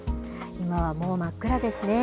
今は、もう真っ暗ですね。